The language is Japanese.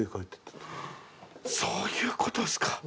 そういうことですか。